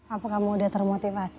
apa kamu udah termotivasi